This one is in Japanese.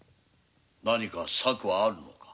何か策はあるのか？